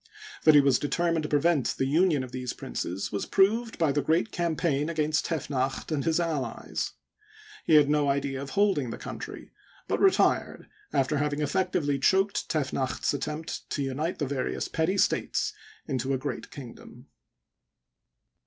That he was determined to prevent the union of these princes was proved by the great campaign against Tefnacht and his allies. He had no idea of holding the country, but retired after having effectually checked Tefnacht's attempt to unite the various petty states into a great kingdom.